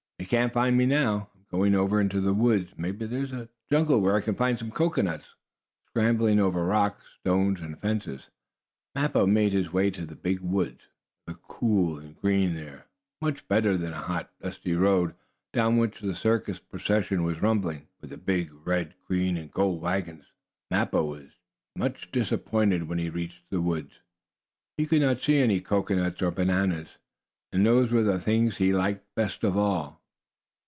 "They can't find me now. I'm going over into those woods. Maybe there is a jungle where I can find cocoanuts." Scrambling over rocks, stones and fences, Mappo made his way to the big woods. It looked cool and green there, much better than the hot, dusty road, down which the circus procession was rumbling, with the big red, green and gold wagons. Mappo was much disappointed when he reached the woods. He could not see any cocoanuts or bananas, and those were the things he liked best of all.